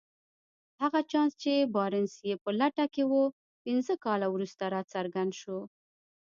هغه چانس چې بارنس يې په لټه کې و پنځه کاله وروسته راڅرګند شو.